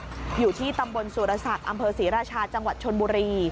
อยู่ที่ตำบลสุรศักดิ์อำเภอศรีราชาจังหวัดชนบุรี